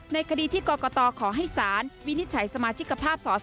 ในคดีที่กรกตขอให้สารวินิจฉัยสมาชิกภาพสอสอ